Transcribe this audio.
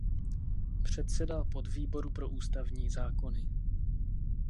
Předsedal podvýboru pro ústavní zákony.